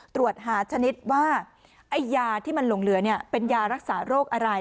ตรวจหาชนิดว่าไอ้ยาที่มันหลงเหลือเป็นยารักษาโรคอะไร